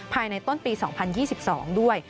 ภายในต้นปี๒๐๒๒ด้วย